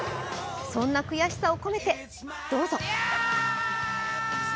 そんな悔しさを込めてどうぞ。